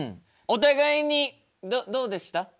お互いにどうでした？